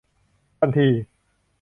ทันที